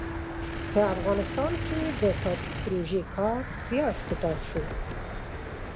په افغانستان کې د ټاپي پروژې کار بیا افتتاح سو.